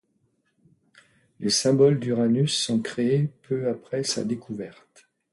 Les symboles d'Uranus sont créés peu après sa découverte.